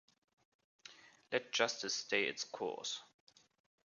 Let justice stay its course.